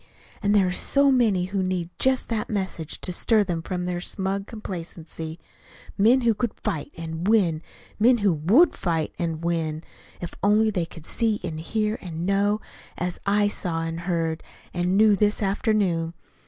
and there are so many who need just that message to stir them from their smug complacency men who could fight, and win: men who WOULD fight, and win, if only they could see and hear and know, as I saw and heard and knew this afternoon.